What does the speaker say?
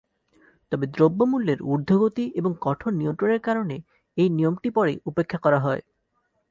তবে দ্রব্যমূল্যের ঊর্ধ্বগতি এবং কঠোর নিয়ন্ত্রণের কারণে এই নিয়মটি পরে উপেক্ষা করা হয়।